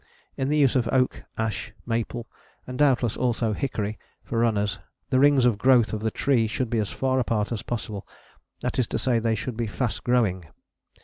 In the use of oak, ash, maple, and doubtless also hickory, for runners, the rings of growth of the tree should be as far apart as possible: that is to say, they should be fast growing.